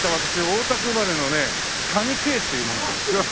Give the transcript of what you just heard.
大田区生まれのね谷啓っていう者なんですが。